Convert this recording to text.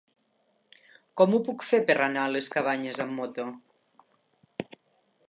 Com ho puc fer per anar a les Cabanyes amb moto?